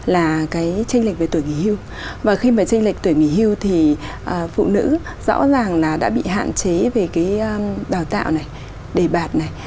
là cái tranh lệch về tuổi nghỉ hưu và khi mà tranh lệch tuổi nghỉ hưu thì phụ nữ rõ ràng là đã bị hạn chế về cái đào tạo này đề bạt này